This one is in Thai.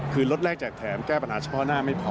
คือรถแรกแจกแถมแก้ปัญหาเฉพาะหน้าไม่พอ